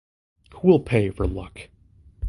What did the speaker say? Who will pay for Luck?